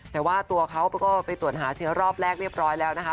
แต่ว่าตัวเขาก็ไปตรวจหาเชื้อรอบแรกเรียบร้อยแล้วนะคะ